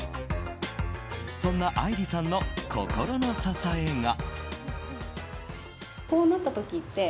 そんな愛梨さんの心の支えが。